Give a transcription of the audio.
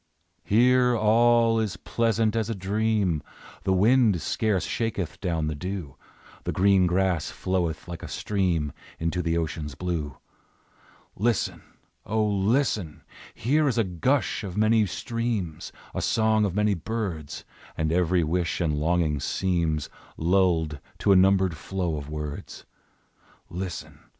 Here all is pleasant as a dream; The wind scarce shaketh down the dew, The green grass floweth like a stream Into the ocean's blue; Listen! O, listen! Here is a gush of many streams, A song of many birds, And every wish and longing seems Lulled to a numbered flow of words, Listen!